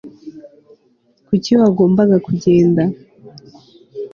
kuki wagombaga kugenda